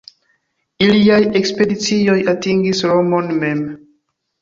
Iliaj ekspedicioj atingis Romon mem.